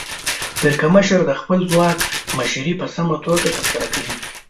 پرکمشر د خپل ځواک مشري په سمه توګه ترسره کوي.